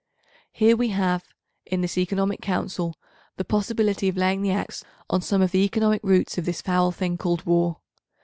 Here we have, in this Economic Council, the possibility of laying the axe on some of the economic roots of this foul thing called war.